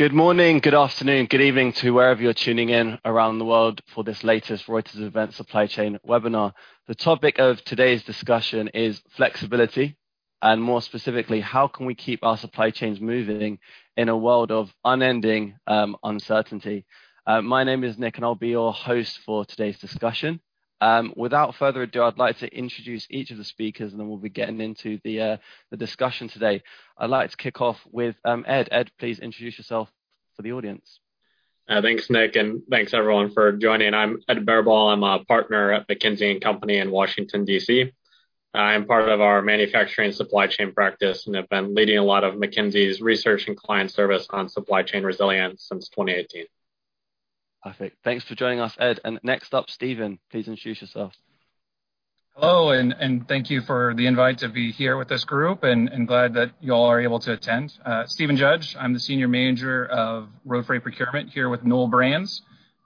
Good morning, good afternoon, good evening to wherever you're tuning in around the world for this latest Reuters Events Supply Chain webinar. The topic of today's discussion is flexibility, and more specifically, how can we keep our supply chains moving in a world of unending uncertainty? My name is Nick, and I'll be your host for today's discussion. Without further ado, I'd like to introduce each of the speakers, and then we'll be getting into the discussion today. I'd like to kick off with Ed. Ed, please introduce yourself for the audience. Thanks, Nick, and thanks everyone for joining. I'm Ed Barriball. I'm a partner at McKinsey & Company in Washington, DC. I'm part of our Manufacturing Supply Chain Practice and have been leading a lot of McKinsey's research and client service on supply chain resilience since 2018. Perfect. Thanks for joining us, Ed, and next up, Steven, please introduce yourself. Hello, and thank you for the invite to be here with this group, and glad that you all are able to attend. Steven Judge, I'm the Senior Manager of Road Freight Procurement here with Newell Brands.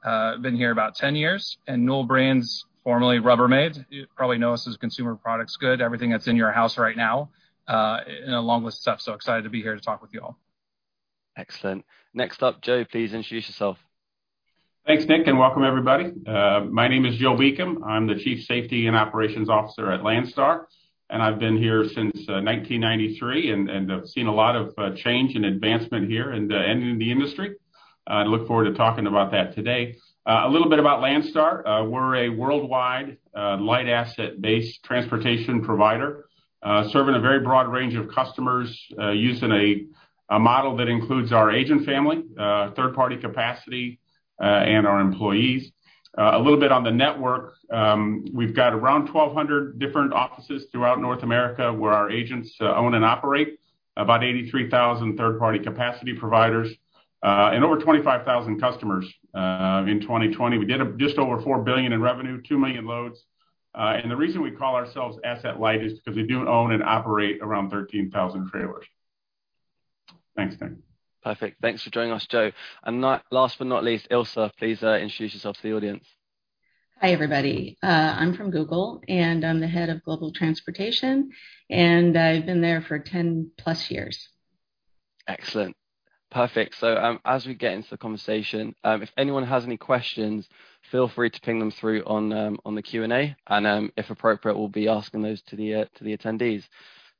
I've been here about 10 years, and Newell Brands, formerly Rubbermaid, you probably know us as Consumer Packaged Goods, everything that's in your house right now, and a long list of stuff. So excited to be here to talk with you all. Excellent. Next up, Joe, please introduce yourself. Thanks, Nick, and welcome, everybody. My name is Joe Beacom. I'm the Chief Safety and Operations Officer at Landstar, and I've been here since 1993, and I've seen a lot of change and advancement here and in the industry. I look forward to talking about that today. A little bit about Landstar: we're a worldwide asset-light transportation provider, serving a very broad range of customers using a model that includes our agent family, third-party capacity, and our employees. A little bit on the network: we've got around 1,200 different offices throughout North America where our agents own and operate, about 83,000 third-party capacity providers, and over 25,000 customers. In 2020, we did just over $4 billion in revenue, 2 million loads. And the reason we call ourselves asset-light is because we do own and operate around 13,000 trailers. Thanks, Nick. Perfect. Thanks for joining us, Joe. And last but not least, Ilse, please introduce yourself to the audience. Hi, everybody. I'm from Google, and I'm the Head of Global Transportation, and I've been there for 10-plus years. Excellent. Perfect. So as we get into the conversation, if anyone has any questions, feel free to ping them through on the Q&A, and if appropriate, we'll be asking those to the attendees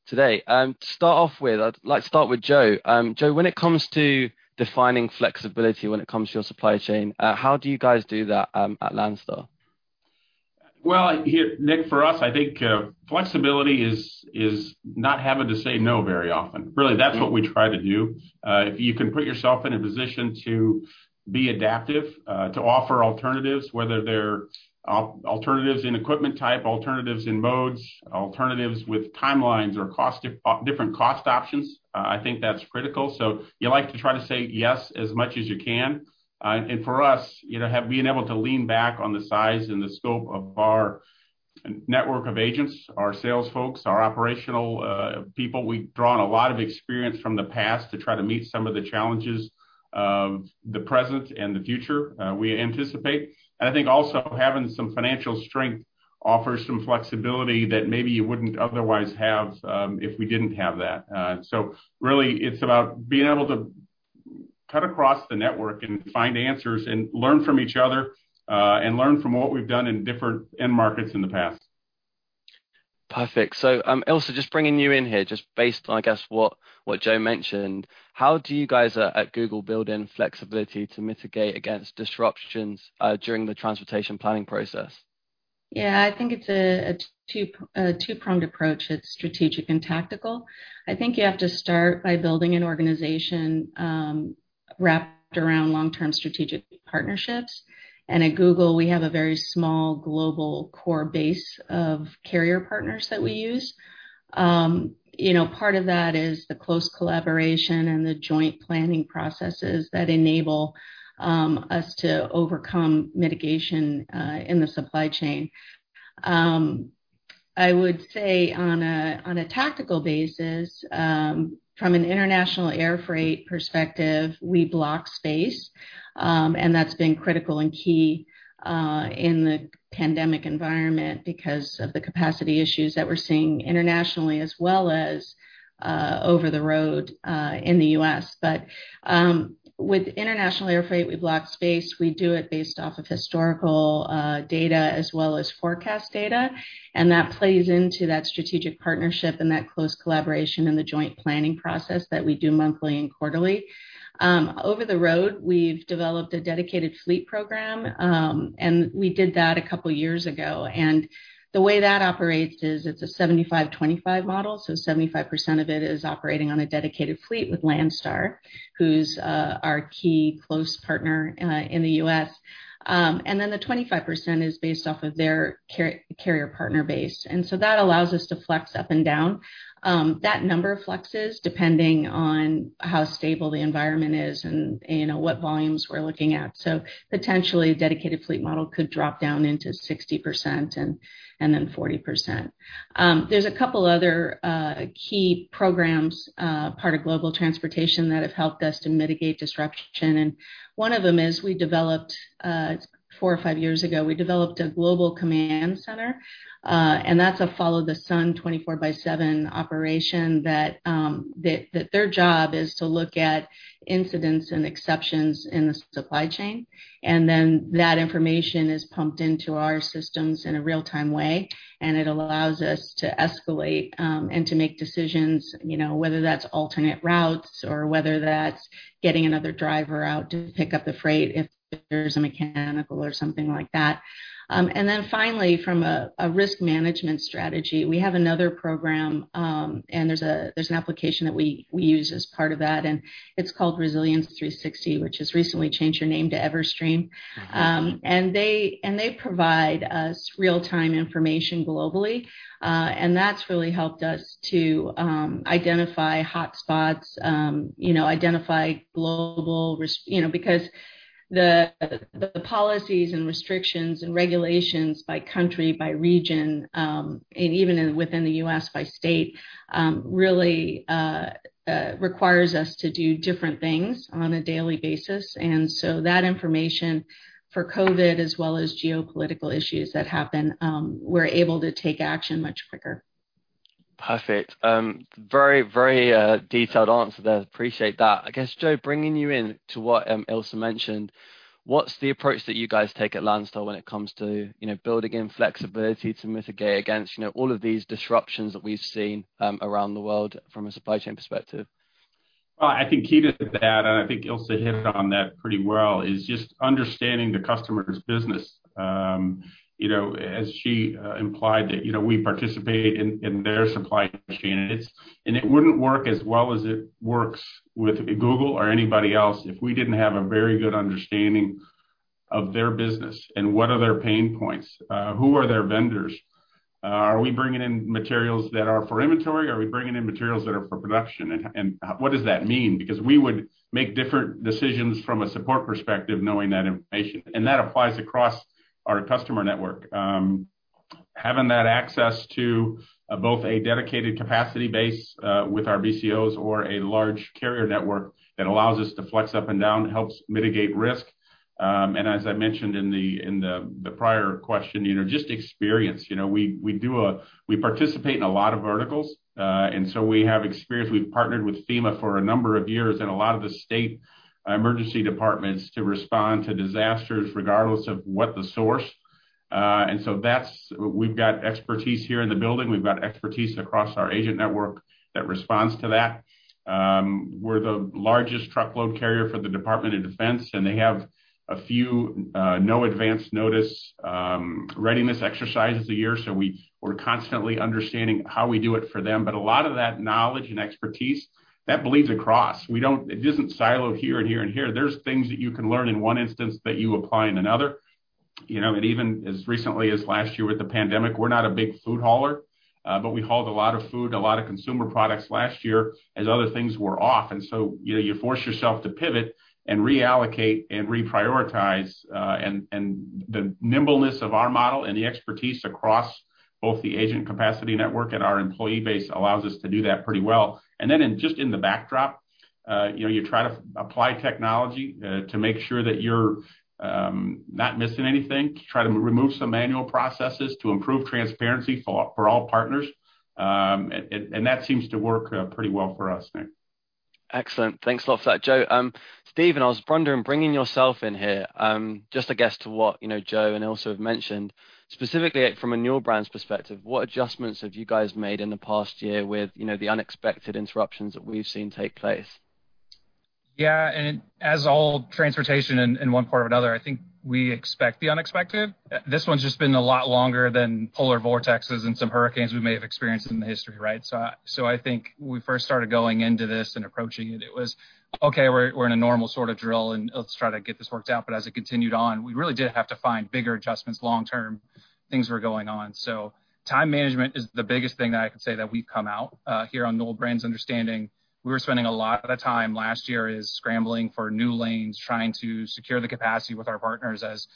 today. To start off with, I'd like to start with Joe. Joe, when it comes to defining flexibility when it comes to your supply chain, how do you guys do that at Landstar? Nick, for u s, I think flexibility is not having to say no very often. Really, that's what we try to do. If you can put yourself in a position to be adaptive, to offer alternatives, whether they're alternatives in equipment type, alternatives in modes, alternatives with timelines or different cost options, I think that's critical. So you like to try to say yes as much as you can. And for us, being able to lean back on the size and the scope of our network of agents, our sales folks, our operational people, we've drawn a lot of experience from the past to try to meet some of the challenges of the present and the future we anticipate. And I think also having some financial strength offers some flexibility that maybe you wouldn't otherwise have if we didn't have that. So really, it's about being able to cut across the network and find answers and learn from each other and learn from what we've done in different end markets in the past. Perfect. So Ilse, just bringing you in here, just based on, I guess, what Joe mentioned, how do you guys at Google build in flexibility to mitigate against disruptions during the transportation planning process? Yeah, I think it's a two-pronged approach. It's strategic and tactical. I think you have to start by building an organization wrapped around long-term strategic partnerships. And at Google, we have a very small global core base of carrier partners that we use. Part of that is the close collaboration and the joint planning processes that enable us to overcome mitigation in the supply chain. I would say on a tactical basis, from an international air freight perspective, we block space, and that's been critical and key in the pandemic environment because of the capacity issues that we're seeing internationally, as well as over the road in the U.S. But with international air freight, we block space. We do it based off of historical data as well as forecast data, and that plays into that strategic partnership and that close collaboration and the joint planning process that we do monthly and quarterly. Over the road, we've developed a dedicated fleet program, and we did that a couple of years ago, and the way that operates is it's a 75%-25% model, so 75% of it is operating on a dedicated fleet with Landstar, who's our key close partner in the U.S., and then the 25% is based off of their carrier partner base, and so that allows us to flex up and down. That number flexes depending on how stable the environment is and what volumes we're looking at, so potentially, a dedicated fleet model could drop down into 60% and then 40%. There's a couple of other key programs part of global transportation that have helped us to mitigate disruption. One of them is, 4 or 5 years ago, we developed a global command center, and that's a follow-the-sun 24 by 7 operation that their job is to look at incidents and exceptions in the supply chain. Then that information is pumped into our systems in a real-time way, and it allows us to escalate and to make decisions, whether that's alternate routes or whether that's getting another driver out to pick up the freight if there's a mechanical or something like that. Then finally, from a risk management strategy, we have another program, and there's an application that we use as part of that, and it's called Resilience360, which has recently changed its name to Everstream. They provide us real-time information globally, and that's really helped us to identify hotspots, identify global because the policies and restrictions and regulations by country, by region, and even within the U.S. by state really require us to do different things on a daily basis. That information for COVID, as well as geopolitical issues that happen, we're able to take action much quicker. Perfect. Very, very detailed answer there. Appreciate that. I guess, Joe, bringing you in to what Ilse mentioned, what's the approach that you guys take at Landstar when it comes to building in flexibility to mitigate against all of these disruptions that we've seen around the world from a supply chain perspective? I think key to that, and I think Ilse hit on that pretty well, is just understanding the customer's business. As she implied, we participate in their supply chain, and it wouldn't work as well as it works with Google or anybody else if we didn't have a very good understanding of their business and what are their pain points, who are their vendors. Are we bringing in materials that are for inventory? Are we bringing in materials that are for production? And what does that mean? Because we would make different decisions from a support perspective knowing that information. And that applies across our customer network. Having that access to both a dedicated capacity base with our BCOs or a large carrier network that allows us to flex up and down helps mitigate risk. And as I mentioned in the prior question, just experience. We participate in a lot of verticals, and so we have experience. We've partnered with FEMA for a number of years and a lot of the state emergency departments to respond to disasters regardless of what the source, and so we've got expertise here in the building. We've got expertise across our agent network that responds to that. We're the largest truckload carrier for the Department of Defense, and they have a few no advance notice readiness exercises a year, so we're constantly understanding how we do it for them, but a lot of that knowledge and expertise that bleeds across. It doesn't silo here and here and here. There's things that you can learn in one instance that you apply in another. And even as recently as last year with the pandemic, we're not a big food hauler, but we hauled a lot of food, a lot of consumer products last year as other things were off. And so you force yourself to pivot and reallocate and reprioritize. And the nimbleness of our model and the expertise across both the agent capacity network and our employee base allows us to do that pretty well. And then just in the backdrop, you try to apply technology to make sure that you're not missing anything, try to remove some manual processes to improve transparency for all partners. And that seems to work pretty well for us, Nick. Excellent. Thanks a lot for that, Joe. Steven, I was wondering bringing yourself in here, just I guess to what Joe and Ilse have mentioned. Specifically, from a Newell Brands perspective, what adjustments have you guys made in the past year with the unexpected interruptions that we've seen take place? Yeah, and as all transportation in one part or another, I think we expect the unexpected. This one's just been a lot longer than polar vortexes and some hurricanes we may have experienced in the history, right? So I think when we first started going into this and approaching it, it was, okay, we're in a normal sort of drill, and let's try to get this worked out. But as it continued on, we really did have to find bigger adjustments long-term. Things were going on. So time management is the biggest thing that I can say that we've come out here on Newell Brands understanding. We were spending a lot of time last year scrambling for new lanes, trying to secure the capacity with our partners as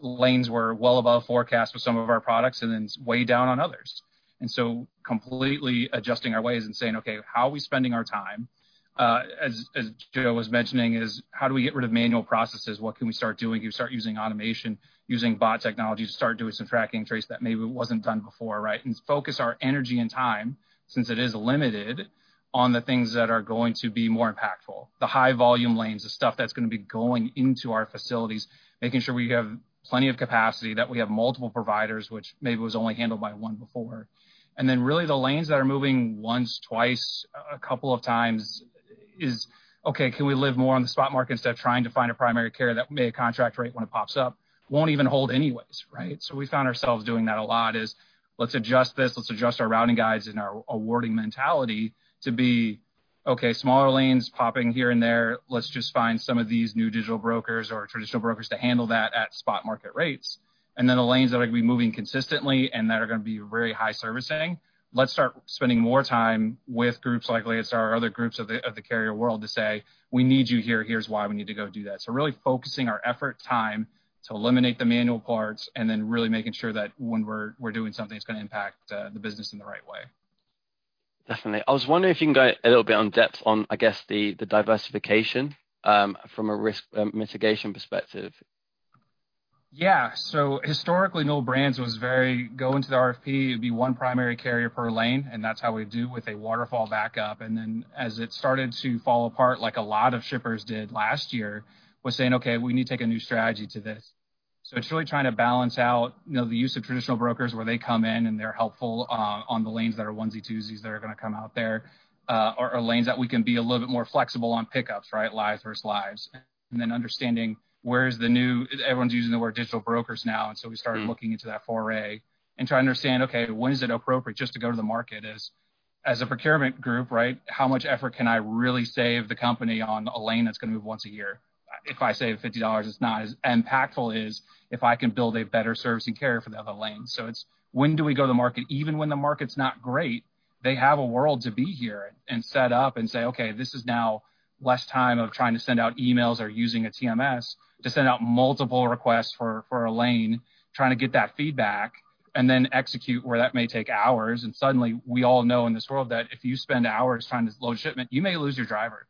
lanes were well above forecast with some of our products and then way down on others. And so completely adjusting our ways and saying, okay, how are we spending our time? As Joe was mentioning, how do we get rid of manual processes? What can we start doing? Can we start using automation, using bot technology to start doing some tracking and tracing that maybe wasn't done before, right? And focus our energy and time, since it is limited, on the things that are going to be more impactful: the high-volume lanes, the stuff that's going to be going into our facilities, making sure we have plenty of capacity, that we have multiple providers, which maybe was only handled by one before. And then really the lanes that are moving once, twice, a couple of times is, okay, can we live more on the spot market instead of trying to find a primary carrier at a contracted rate when it pops up? Won't even hold anyways, right? So we found ourselves doing that a lot is, let's adjust this. Let's adjust our routing guides and our awarding mentality to be, okay, smaller lanes popping here and there. Let's just find some of these new digital brokers or traditional brokers to handle that at spot market rates. And then the lanes that are going to be moving consistently and that are going to be very high servicing, let's start spending more time with groups like Landstar or other groups of the carrier world to say, we need you here. Here's why we need to go do that. So really focusing our effort time to eliminate the manual parts and then really making sure that when we're doing something, it's going to impact the business in the right way. Definitely. I was wondering if you can go a little bit in depth on, I guess, the diversification from a risk mitigation perspective. Yeah. So historically, Newell Brands was very go into the RFP. It'd be one primary carrier per lane, and that's how we do with a waterfall backup. And then as it started to fall apart, like a lot of shippers did last year, was saying, okay, we need to take a new strategy to this. So it's really trying to balance out the use of traditional brokers where they come in and they're helpful on the lanes that are onesie, twosies that are going to come out there or lanes that we can be a little bit more flexible on pickups, right? Live versus lives. And then understanding where is the new everyone's using the word digital brokers now. And so we started looking into that foray and trying to understand, okay, when is it appropriate just to go to the market as a procurement group, right? How much effort can I really save the company on a lane that's going to move once a year? If I save $50, it's not as impactful as if I can build a better servicing carrier for the other lane. So it's when do we go to the market? Even when the market's not great, they have a world to be here and set up and say, okay, this is now less time of trying to send out emails or using a TMS to send out multiple requests for a lane, trying to get that feedback and then execute where that may take hours. And suddenly we all know in this world that if you spend hours trying to load shipment, you may lose your driver,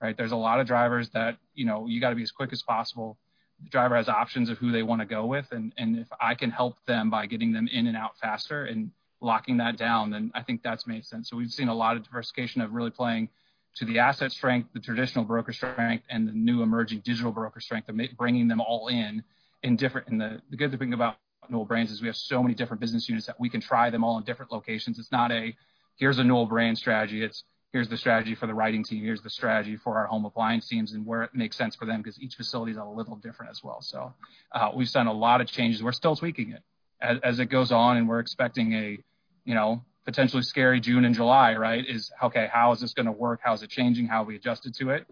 right? There's a lot of drivers that you got to be as quick as possible. The driver has options of who they want to go with, and if I can help them by getting them in and out faster and locking that down, then I think that makes sense, so we've seen a lot of diversification of really playing to the asset strength, the traditional broker strength, and the new emerging digital broker strength, bringing them all in, and the good thing about Newell Brands is we have so many different business units that we can try them all in different locations. It's not a, here's a Newell Brands strategy. It's here's the strategy for the writing team. Here's the strategy for our home appliance teams and where it makes sense for them because each facility is a little different as well, so we've seen a lot of changes. We're still tweaking it as it goes on, and we're expecting a potentially scary June and July, right? It's okay, how is this going to work? How is it changing? How have we adjusted to it?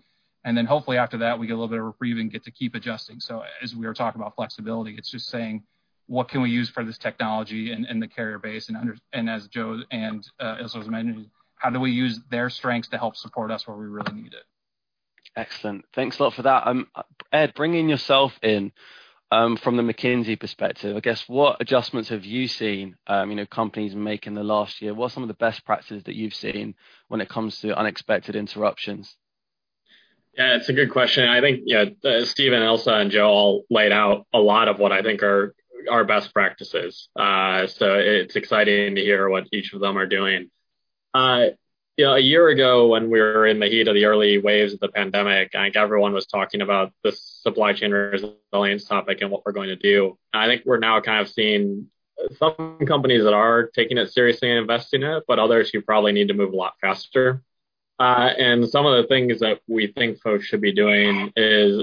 And then hopefully after that, we get a little bit of a breather and get to keep adjusting. So as we were talking about flexibility, it's just saying, what can we use for this technology and the carrier base? And as Joe and Ilse mentioned, how do we use their strengths to help support us where we really need it? Excellent. Thanks a lot for that. Ed, bringing yourself in from the McKinsey perspective, I guess, what adjustments have you seen companies make in the last year? What are some of the best practices that you've seen when it comes to unexpected interruptions? Yeah, it's a good question. I think, yeah, Steven, Ilse, and Joe all laid out a lot of what I think are our best practices. So it's exciting to hear what each of them are doing. A year ago, when we were in the heat of the early waves of the pandemic, I think everyone was talking about the supply chain resilience topic and what we're going to do. I think we're now kind of seeing some companies that are taking it seriously and investing in it, but others who probably need to move a lot faster. Some of the things that we think folks should be doing is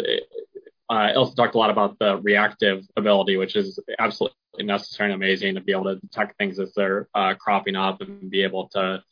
Ilse talked a lot about the reactive ability, which is absolutely necessary and amazing to be able to detect things as they're cropping up and be able to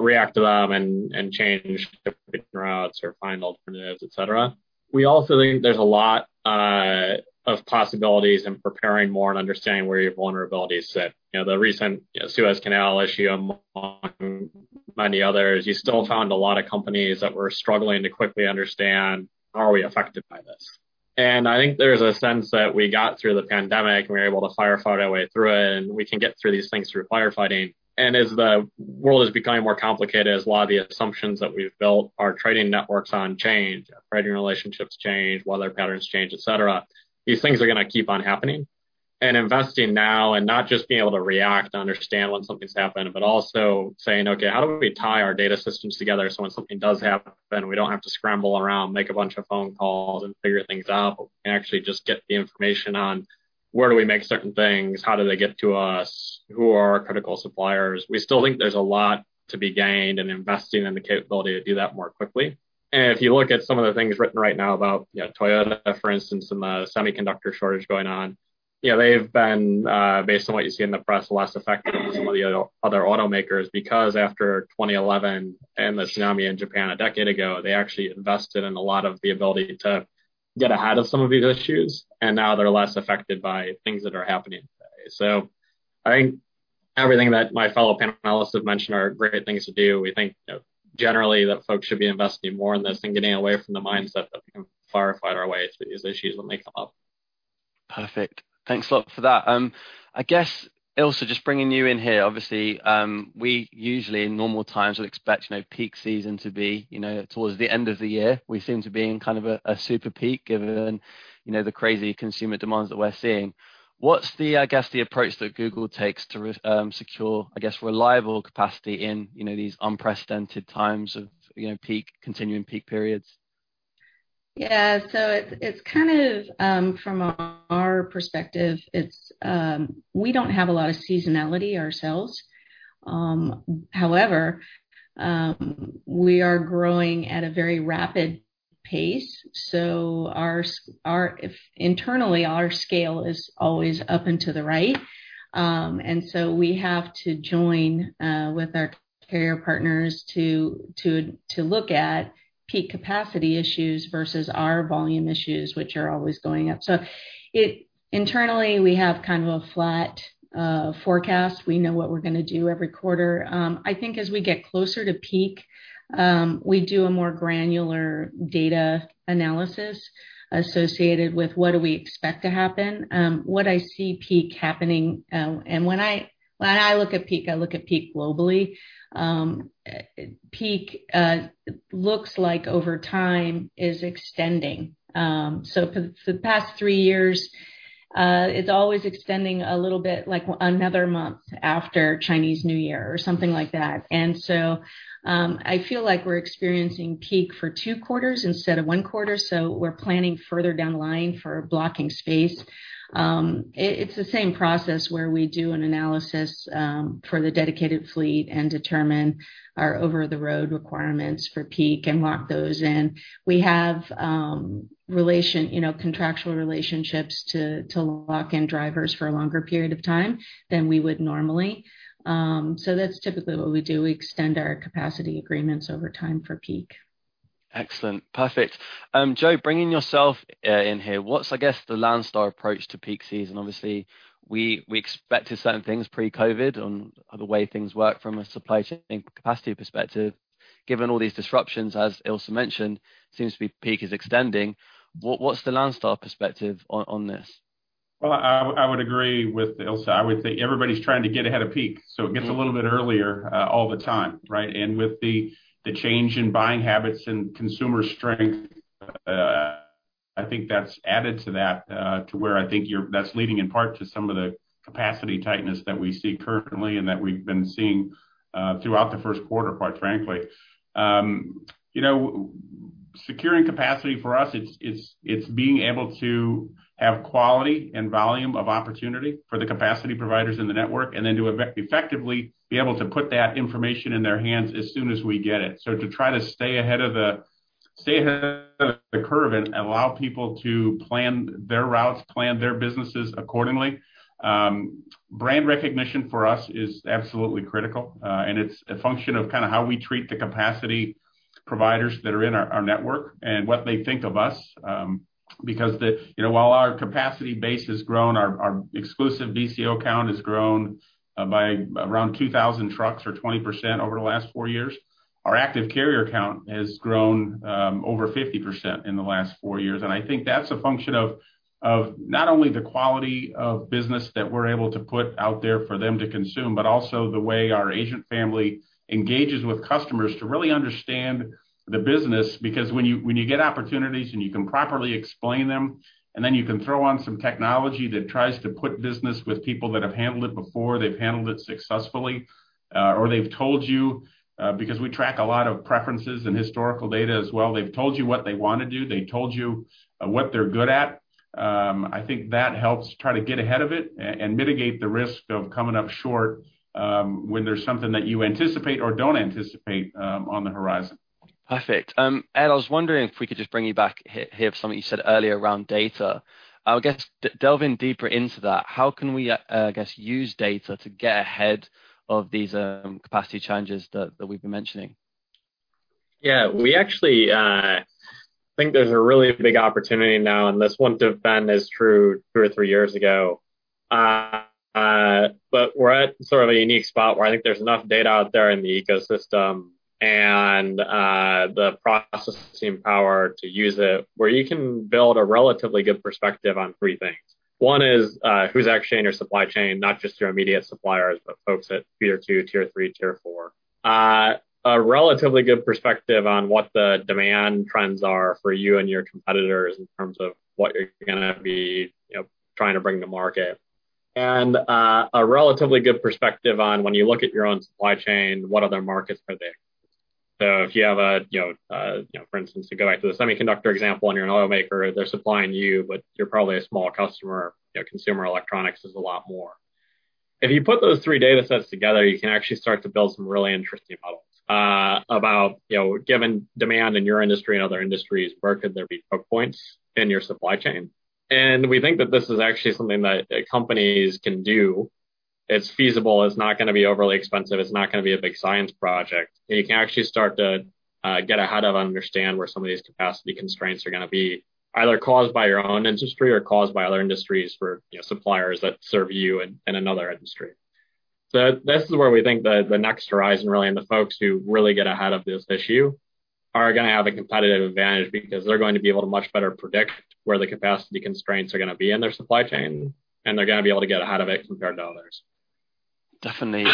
react to them and change shipping routes or find alternatives, etc. We also think there's a lot of possibilities in preparing more and understanding where your vulnerabilities sit. The recent Suez Canal issue, among many others, you still found a lot of companies that were struggling to quickly understand how are we affected by this, and I think there's a sense that we got through the pandemic and we're able to firefight our way through it, and we can get through these things through firefighting, and as the world is becoming more complicated, as a lot of the assumptions that we've built, our trading networks on change, our trading relationships change, weather patterns change, etc., these things are going to keep on happening. And investing now and not just being able to react and understand when something's happened, but also saying, okay, how do we tie our data systems together so when something does happen, we don't have to scramble around, make a bunch of phone calls and figure things out, but we can actually just get the information on where do we make certain things, how do they get to us, who are our critical suppliers? We still think there's a lot to be gained in investing in the capability to do that more quickly. And if you look at some of the things written right now about Toyota, for instance, and the semiconductor shortage going on, they've been, based on what you see in the press, less effective than some of the other automakers because after 2011 and the tsunami in Japan a decade ago, they actually invested in a lot of the ability to get ahead of some of these issues, and now they're less affected by things that are happening. So I think everything that my fellow panelists have mentioned are great things to do. We think generally that folks should be investing more in this and getting away from the mindset that we can firefight our way through these issues when they come up. Perfect. Thanks a lot for that. I guess, Ilse, just bringing you in here, obviously, we usually in normal times would expect peak season to be towards the end of the year. We seem to be in kind of a super peak given the crazy consumer demands that we're seeing. What's the, I guess, the approach that Google takes to secure, I guess, reliable capacity in these unprecedented times of continuing peak periods? Yeah, so it's kind of from our perspective. We don't have a lot of seasonality ourselves. However, we are growing at a very rapid pace. Internally, our scale is always up and to the right, and so we have to join with our carrier partners to look at peak capacity issues versus our volume issues, which are always going up. Internally, we have kind of a flat forecast. We know what we're going to do every quarter. I think as we get closer to peak, we do a more granular data analysis associated with what do we expect to happen. What I see peak happening, and when I look at peak, I look at peak globally. Peak looks like over time is extending. For the past 3 years, it's always extending a little bit like another month after Chinese New Year or something like that. And so I feel like we're experiencing peak for 2 quarters instead of one quarter. So we're planning further down the line for blocking space. It's the same process where we do an analysis for the dedicated fleet and determine our over-the-road requirements for peak and lock those in. We have contractual relationships to lock in drivers for a longer period of time than we would normally. So that's typically what we do. We extend our capacity agreements over time for peak. Excellent. Perfect. Joe, bringing yourself in here, what's, I guess, the Landstar approach to peak season? Obviously, we expected certain things pre-COVID on the way things work from a supply chain capacity perspective. Given all these disruptions, as Ilse mentioned, seems to be peak is extending. What's the Landstar perspective on this? I would agree with Ilse. I would think everybody's trying to get ahead of peak. So it gets a little bit earlier all the time, right? And with the change in buying habits and consumer strength, I think that's added to that to where I think that's leading in part to some of the capacity tightness that we see currently and that we've been seeing throughout the first quarter, quite frankly. Securing capacity for us, it's being able to have quality and volume of opportunity for the capacity providers in the network and then to effectively be able to put that information in their hands as soon as we get it. So to try to stay ahead of the curve and allow people to plan their routes, plan their businesses accordingly. Brand recognition for us is absolutely critical, and it's a function of kind of how we treat the capacity providers that are in our network and what they think of us. Because while our capacity base has grown, our exclusive BCO count has grown by around 2,000 trucks or 20% over the last 4 years. Our active carrier count has grown over 50% in the last 4 years. And I think that's a function of not only the quality of business that we're able to put out there for them to consume, but also the way our agent family engages with customers to really understand the business. Because when you get opportunities and you can properly explain them, and then you can throw on some technology that tries to put business with people that have handled it before, they've handled it successfully, or they've told you, because we track a lot of preferences and historical data as well, they've told you what they want to do. They told you what they're good at. I think that helps try to get ahead of it and mitigate the risk of coming up short when there's something that you anticipate or don't anticipate on the horizon. Perfect. Ed, I was wondering if we could just bring you back here of something you said earlier around data. I guess delve in deeper into that. How can we, I guess, use data to get ahead of these capacity challenges that we've been mentioning? Yeah, we actually think there's a really big opportunity now, and this wouldn't have been as true 2 or 3 years ago. But we're at sort of a unique spot where I think there's enough data out there in the ecosystem and the processing power to use it where you can build a relatively good perspective on 3 things. One is who's actually in your supply chain, not just your immediate suppliers, but folks at tier two, tier three, tier four. A relatively good perspective on what the demand trends are for you and your competitors in terms of what you're going to be trying to bring to market. And a relatively good perspective on when you look at your own supply chain, what other markets are there? So if you have, for instance, to go back to the semiconductor example and you're an automaker, they're supplying you, but you're probably a small customer. Consumer electronics is a lot more. If you put those 3 datasets together, you can actually start to build some really interesting models about given demand in your industry and other industries, where could there be choke points in your supply chain? And we think that this is actually something that companies can do. It's feasible. It's not going to be overly expensive. It's not going to be a big science project. And you can actually start to get ahead of and understand where some of these capacity constraints are going to be, either caused by your own industry or caused by other industries for suppliers that serve you in another industry. So this is where we think the next horizon, really, and the folks who really get ahead of this issue are going to have a competitive advantage because they're going to be able to much better predict where the capacity constraints are going to be in their supply chain, and they're going to be able to get ahead of it compared to others. Definitely.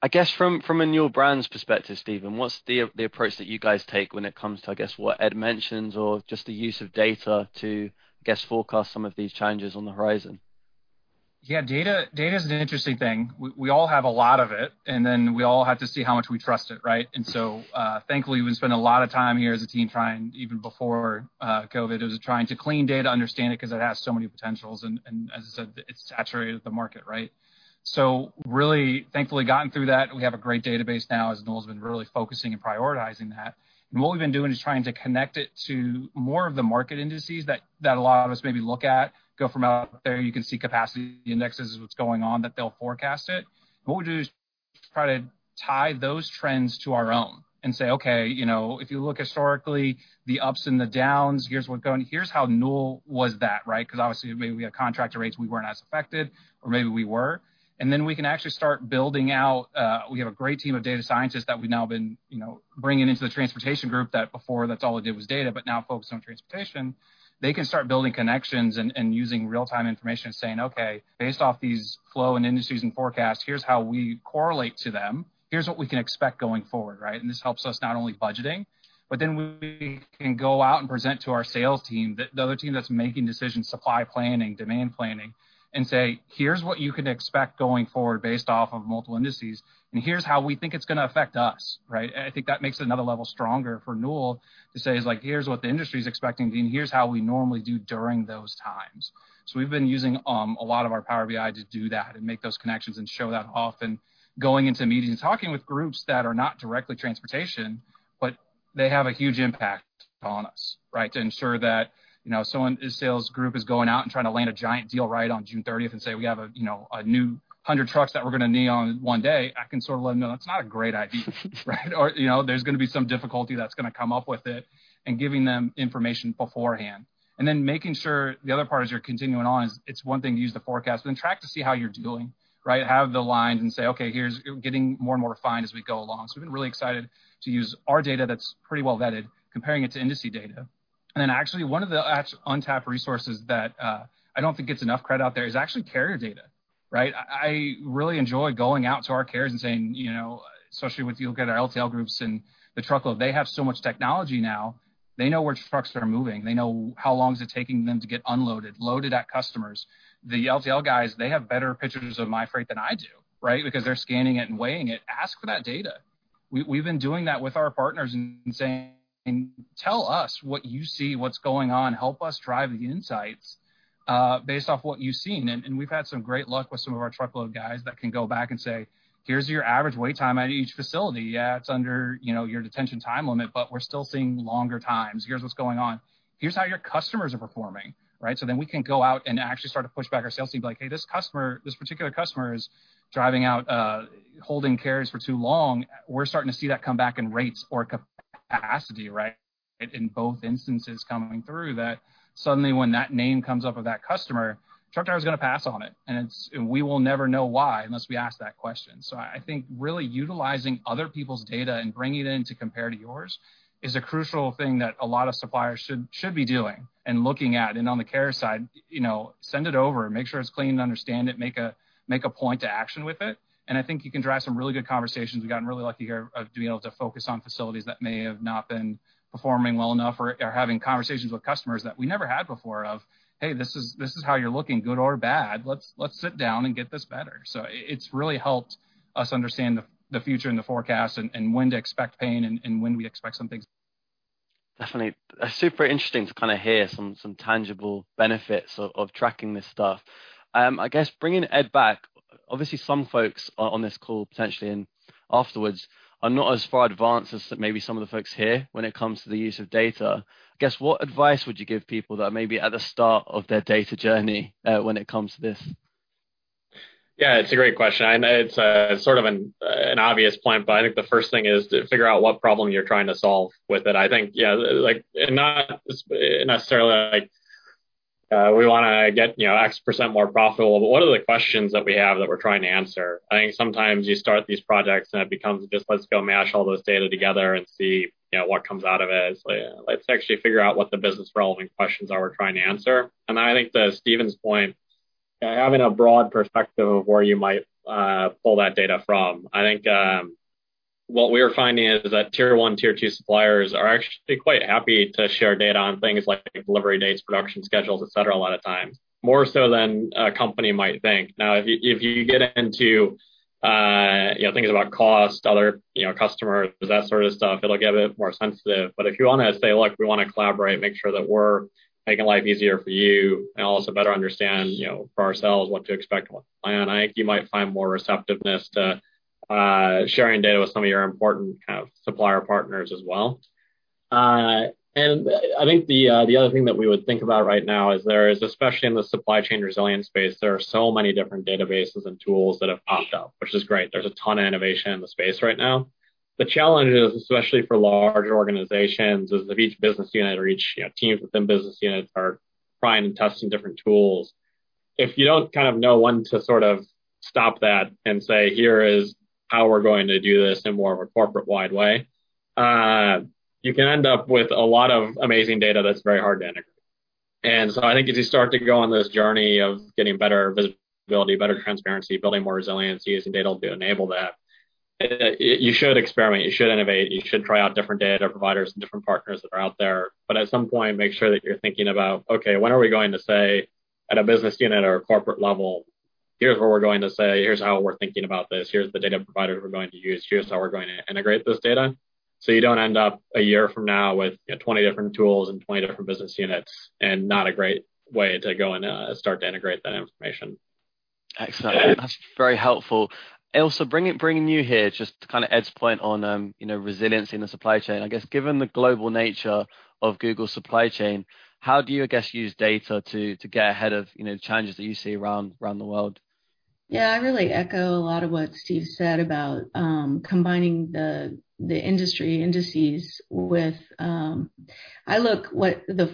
I guess from a Newell Brands perspective, Steven, what's the approach that you guys take when it comes to, I guess, what Ed mentions or just the use of data to, I guess, forecast some of these challenges on the horizon? Yeah, data is an interesting thing. We all have a lot of it, and then we all have to see how much we trust it, right? And so thankfully, we've been spending a lot of time here as a team trying, even before COVID, it was trying to clean data, understand it because it has so many potentials. And as I said, it's saturated the market, right? So really, thankfully, gotten through that. We have a great database now as Newell's been really focusing and prioritizing that. And what we've been doing is trying to connect it to more of the market indices that a lot of us maybe look at, go from out there. You can see capacity indexes is what's going on that they'll forecast it. What we do is try to tie those trends to our own and say, okay, if you look historically, the ups and the downs, here's how Newell was that, right? Because obviously, maybe we have contractor rates, we weren't as affected, or maybe we were. And then we can actually start building out. We have a great team of data scientists that we've now been bringing into the transportation group that before, that's all it did was data, but now focused on transportation. They can start building connections and using real-time information and saying, okay, based off these flow and indices and forecasts, here's how we correlate to them. Here's what we can expect going forward, right? This helps us not only budgeting, but then we can go out and present to our sales team, the other team that's making decisions, supply planning, demand planning, and say, here's what you can expect going forward based off of multiple indices, and here's how we think it's going to affect us, right? I think that makes it another level stronger for Newell to say, here's what the industry is expecting, and here's how we normally do during those times. We've been using a lot of our Power BI to do that and make those connections and show that often. Going into meetings and talking with groups that are not directly transportation, but they have a huge impact on us, right? To ensure that if someone in the sales group is going out and trying to land a giant deal right on June 30th and say, we have a new hundred trucks that we're going to need on one day, I can sort of let them know that's not a great idea, right? Or there's going to be some difficulty that's going to come up with it and giving them information beforehand, and then making sure the other part is you're continuing on. It's one thing to use the forecast, but then track to see how you're doing, right? Have the lines and say, okay, here's getting more and more refined as we go along, so we've been really excited to use our data that's pretty well vetted, comparing it to industry data. And then actually one of the untapped resources that I don't think gets enough credit out there is actually carrier data, right? I really enjoy going out to our carriers and saying, especially with you look at our LTL groups and the truckload, they have so much technology now. They know where trucks are moving. They know how long is it taking them to get unloaded, loaded at customers. The LTL guys, they have better pictures of my freight than I do, right? Because they're scanning it and weighing it. Ask for that data. We've been doing that with our partners and saying, tell us what you see, what's going on, help us drive the insights based off what you've seen. And we've had some great luck with some of our truckload guys that can go back and say, here's your average wait time at each facility. Yeah, it's under your detention time limit, but we're still seeing longer times. Here's what's going on. Here's how your customers are performing, right? So then we can go out and actually start to push back our sales team and be like, hey, this customer, this particular customer is driving out, holding carriers for too long. We're starting to see that come back in rates or capacity, right? In both instances coming through that suddenly when that name comes up of that customer, truck driver's going to pass on it, and we will never know why unless we ask that question. So I think really utilizing other people's data and bringing it in to compare to yours is a crucial thing that a lot of suppliers should be doing and looking at. On the carrier side, send it over, make sure it's clean and understand it, make a point to action with it. I think you can drive some really good conversations. We gotten really lucky here of being able to focus on facilities that may have not been performing well enough or having conversations with customers that we never had before of, hey, this is how you're looking, good or bad. Let's sit down and get this better. It's really helped us understand the future and the forecast and when to expect pain and when we expect some things. Definitely. Super interesting to kind of hear some tangible benefits of tracking this stuff. I guess bringing Ed back, obviously some folks on this call potentially and afterwards are not as far advanced as maybe some of the folks here when it comes to the use of data. I guess what advice would you give people that are maybe at the start of their data journey when it comes to this? Yeah, it's a great question. I know it's sort of an obvious point, but I think the first thing is to figure out what problem you're trying to solve with it. I think, yeah, not necessarily like we want to get X% more profitable, but what are the questions that we have that we're trying to answer? I think sometimes you start these projects and it becomes just, let's go mash all those data together and see what comes out of it. Let's actually figure out what the business relevant questions are we're trying to answer. I think to Steven's point, having a broad perspective of where you might pull that data from. I think what we were finding is that tier one, tier two suppliers are actually quite happy to share data on things like delivery dates, production schedules, et cetera, a lot of times, more so than a company might think. Now, if you get into things about cost, other customers, that sort of stuff, it'll get a bit more sensitive. But if you want to say, look, we want to collaborate, make sure that we're making life easier for you and also better understand for ourselves what to expect and what to plan, I think you might find more receptiveness to sharing data with some of your important kind of supplier partners as well. I think the other thing that we would think about right now is there is, especially in the supply chain resilience space, there are so many different databases and tools that have popped up, which is great. There's a ton of innovation in the space right now. The challenge is, especially for large organizations, is if each business unit or each team within business units are trying and testing different tools, if you don't kind of know when to sort of stop that and say, here is how we're going to do this in more of a corporate-wide way, you can end up with a lot of amazing data that's very hard to integrate. I think as you start to go on this journey of getting better visibility, better transparency, building more resiliency, using data to enable that, you should experiment, you should innovate, you should try out different data providers and different partners that are out there. But at some point, make sure that you're thinking about, okay, when are we going to say at a business unit or a corporate level, here's where we're going to say, here's how we're thinking about this, here's the data providers we're going to use, here's how we're going to integrate this data. So you don't end up a year from now with 20 different tools and 20 different business units and not a great way to go and start to integrate that information. Excellent. That's very helpful. Also, bringing you here just to kind of Ed's point on resiliency in the supply chain, I guess given the global nature of Google's supply chain, how do you, I guess, use data to get ahead of challenges that you see around the world? Yeah, I really echo a lot of what Steve said about combining the industry indices with the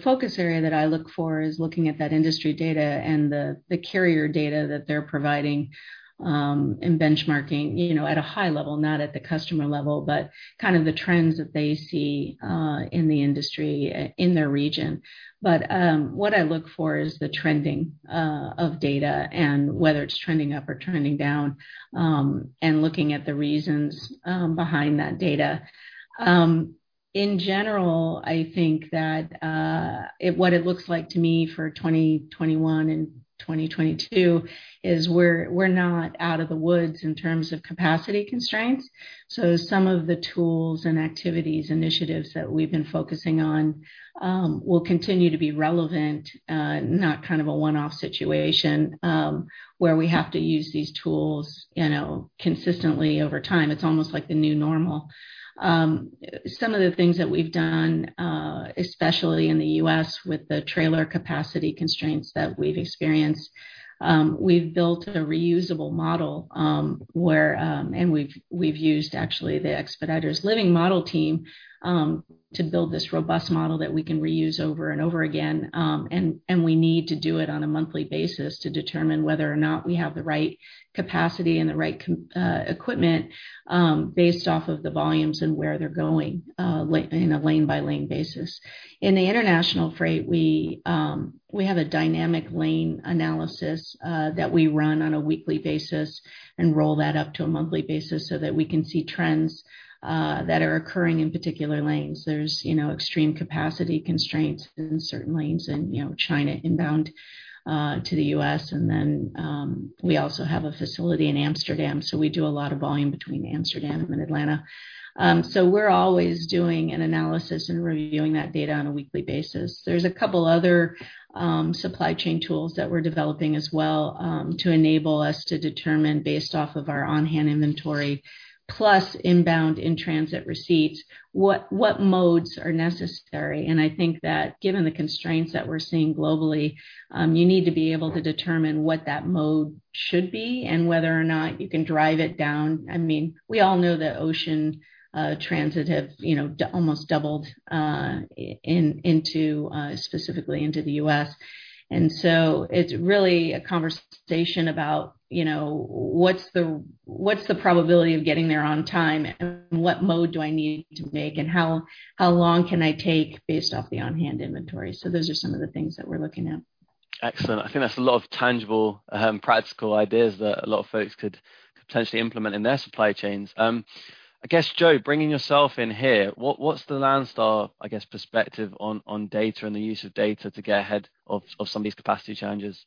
focus area that I look for is looking at that industry data and the carrier data that they're providing and benchmarking at a high level, not at the customer level, but kind of the trends that they see in the industry in their region. But what I look for is the trending of data and whether it's trending up or trending down and looking at the reasons behind that data. In general, I think that what it looks like to me for 2021 and 2022 is we're not out of the woods in terms of capacity constraints. So some of the tools and activities, initiatives that we've been focusing on will continue to be relevant, not kind of a one-off situation where we have to use these tools consistently over time. It's almost like the new normal. Some of the things that we've done, especially in the U.S. with the trailer capacity constraints that we've experienced, we've built a reusable model where we've used actually the Expeditors Living Model team to build this robust model that we can reuse over and over again, and we need to do it on a monthly basis to determine whether or not we have the right capacity and the right equipment based off of the volumes and where they're going in a lane-by-lane basis. In the international freight, we have a dynamic lane analysis that we run on a weekly basis and roll that up to a monthly basis so that we can see trends that are occurring in particular lanes. There's extreme capacity constraints in certain lanes in China inbound to the U.S., and then we also have a facility in Amsterdam. So we do a lot of volume between Amsterdam and Atlanta. So we're always doing an analysis and reviewing that data on a weekly basis. There's a couple of other supply chain tools that we're developing as well to enable us to determine based off of our on-hand inventory, plus inbound in-transit receipts, what modes are necessary. And I think that given the constraints that we're seeing globally, you need to be able to determine what that mode should be and whether or not you can drive it down. I mean, we all know that ocean transit has almost doubled specifically into the U.S. And so it's really a conversation about what's the probability of getting there on time and what mode do I need to make and how long can I take based off the on-hand inventory. So those are some of the things that we're looking at. Excellent. I think that's a lot of tangible practical ideas that a lot of folks could potentially implement in their supply chains. I guess, Joe, bringing yourself in here, what's the Landstar, I guess, perspective on data and the use of data to get ahead of some of these capacity challenges?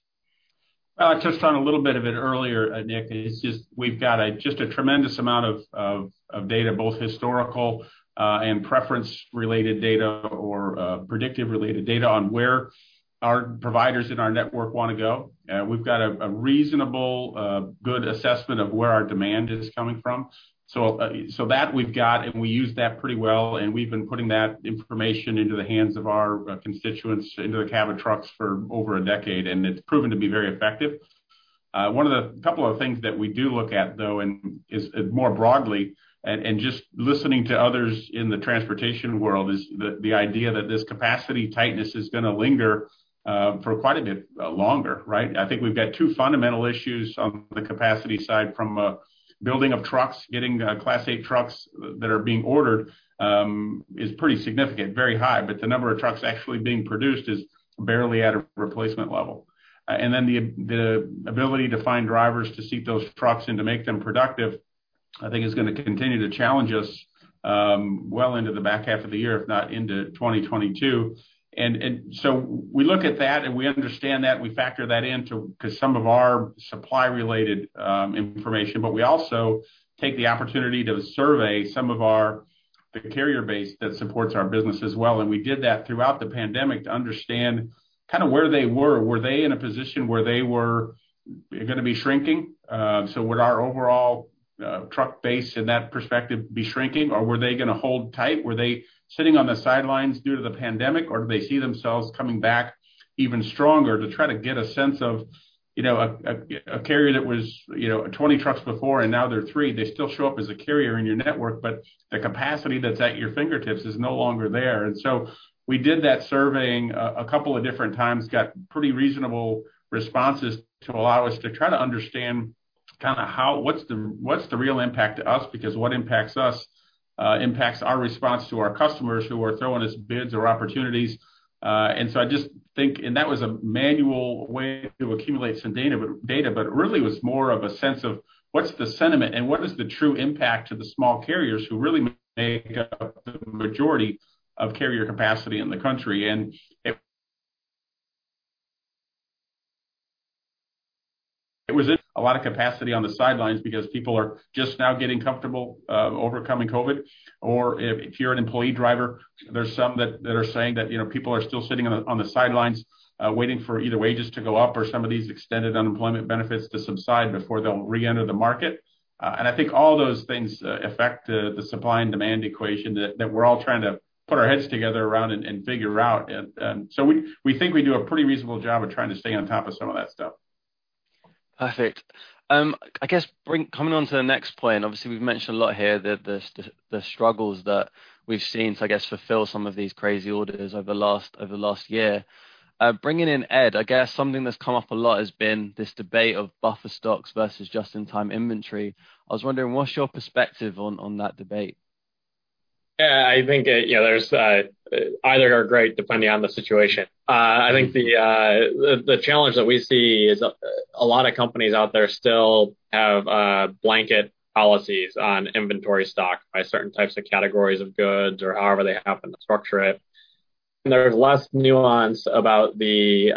I touched on a little bit of it earlier, Nick. It's just we've got just a tremendous amount of data, both historical and preference-related data or predictive-related data on where our providers in our network want to go. We've got a reasonable, good assessment of where our demand is coming from. So that we've got and we use that pretty well. And we've been putting that information into the hands of our constituents, into the BCOs for over a decade. And it's proven to be very effective. One of the couple of things that we do look at, though, and more broadly, and just listening to others in the transportation world, is the idea that this capacity tightness is going to linger for quite a bit longer, right? I think we've got 2 fundamental issues on the capacity side from building of trucks. Getting Class 8 trucks that are being ordered is pretty significant, very high, but the number of trucks actually being produced is barely at a replacement level, and then the ability to find drivers to seat those trucks and to make them productive, I think is going to continue to challenge us well into the back half of the year, if not into 2022, and so we look at that and we understand that and we factor that into some of our supply-related information, but we also take the opportunity to survey some of the carrier base that supports our business as well, and we did that throughout the pandemic to understand kind of where they were. Were they in a position where they were going to be shrinking? So would our overall truck base in that perspective be shrinking? Or were they going to hold tight? Were they sitting on the sidelines due to the pandemic? Or do they see themselves coming back even stronger to try to get a sense of a carrier that was 20 trucks before and now they're 3? They still show up as a carrier in your network, but the capacity that's at your fingertips is no longer there. And so we did that, surveying a couple of different times, got pretty reasonable responses to allow us to try to understand kind of what's the real impact to us because what impacts us impacts our response to our customers who are throwing us bids or opportunities. And so I just think, and that was a manual way to accumulate some data, but really it was more of a sense of what's the sentiment and what is the true impact to the small carriers who really make up the majority of carrier capacity in the country. And it was a lot of capacity on the sidelines because people are just now getting comfortable overcoming COVID. Or if you're an employee driver, there's some that are saying that people are still sitting on the sidelines waiting for either wages to go up or some of these extended unemployment benefits to subside before they'll re-enter the market. And I think all those things affect the supply and demand equation that we're all trying to put our heads together around and figure out. We think we do a pretty reasonable job of trying to stay on top of some of that stuff. Perfect. I guess coming on to the next point, obviously we've mentioned a lot here, the struggles that we've seen to, I guess, fulfill some of these crazy orders over the last year. Bringing in Ed, I guess something that's come up a lot has been this debate of buffer stocks versus just-in-time inventory. I was wondering, what's your perspective on that debate? Yeah, I think either are great depending on the situation. I think the challenge that we see is a lot of companies out there still have blanket policies on inventory stock by certain types of categories of goods or however they happen to structure it. And there's less nuance about the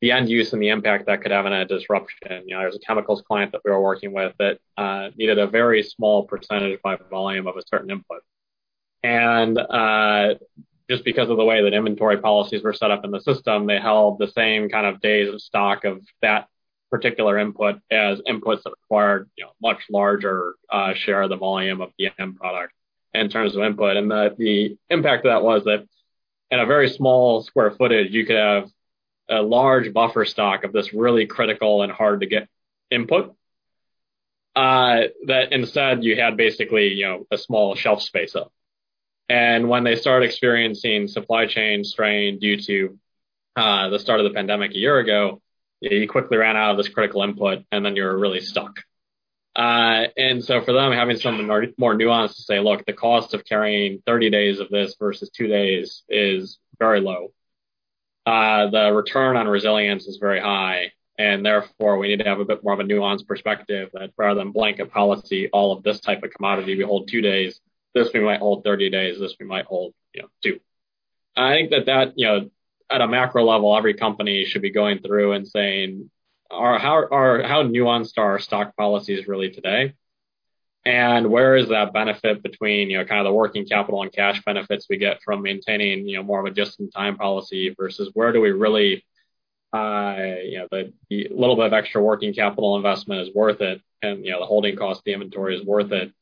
end use and the impact that could have on a disruption. There's a chemicals client that we were working with that needed a very small percentage by volume of a certain input. And just because of the way that inventory policies were set up in the system, they held the same kind of days of stock of that particular input as inputs that required a much larger share of the volume of the end product in terms of input. And the impact of that was that in a very small square footage, you could have a large buffer stock of this really critical and hard-to-get input, that instead you had basically a small shelf space up. And when they started experiencing supply chain strain due to the start of the pandemic a year ago, you quickly ran out of this critical input and then you're really stuck. And so for them, having some more nuance to say, look, the cost of carrying 30 days of this versus t 2 days is very low. The return on resilience is very high. And therefore, we need to have a bit more of a nuanced perspective that rather than blanket policy, all of this type of commodity we hold 2 days, this we might hold 30 days, this we might hold 2. I think that at a macro level, every company should be going through and saying, how nuanced are our stock policies really today? And where is that benefit between kind of the working capital and cash benefits we get from maintaining more of a just-in-time policy versus where do we really the little bit of extra working capital investment is worth it and the holding cost, the inventory is worth it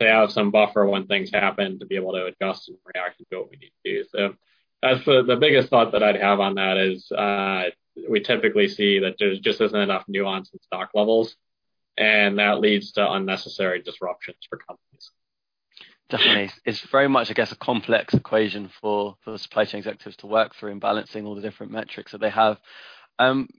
to have some buffer when things happen to be able to adjust and react to what we need to do. That's the biggest thought that I'd have on that. We typically see that there just isn't enough nuance in stock levels. And that leads to unnecessary disruptions for companies. Definitely. It's very much, I guess, a complex equation for supply chain executives to work through in balancing all the different metrics that they have.